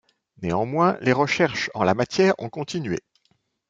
Néanmoins les recherches en la matière ont continué.